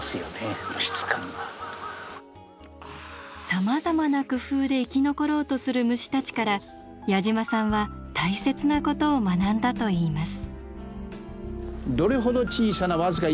さまざまな工夫で生き残ろうとする虫たちから矢島さんは大切なことを学んだといいます。